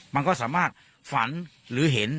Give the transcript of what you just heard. มันก็สามารถฝันหรือเห็น